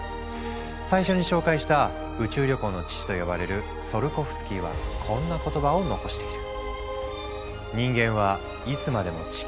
最初に紹介した「宇宙旅行の父」と呼ばれるツィオルコフスキーはこんな言葉を残している。